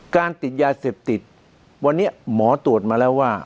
การติดยาเสพติดวันนี้หมอตรวจมาแล้วว่า